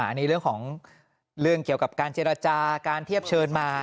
อันนี้เรื่องของเรื่องเกี่ยวกับการเจรจาการเทียบเชิญมา